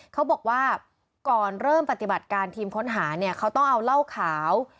เขาบอกว่าก่อนเริ่มปฏิบัติการทีมค้นหาเนี่ยเขาต้องเอาเหล้าขาว